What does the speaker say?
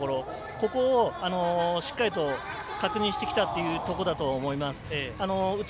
ここを、しっかりと確認してきたというところだと思います。